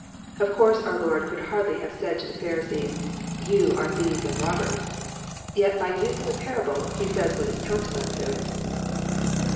Of course our Lord could hardly have said to the Pharisees, '* You are thieves and rob bers." Yet by use of a parable, He says what is tantamount to it.